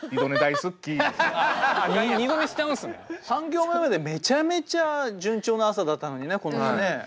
３行目までめちゃめちゃ順調な朝だったのにね。